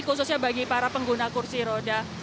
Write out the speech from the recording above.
khususnya bagi para pengguna kursi roda